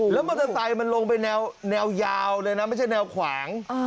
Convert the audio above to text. แล้วมอเตอร์ไซค์มันลงไปแนวยาวเลยนะไม่ใช่แนวขวาง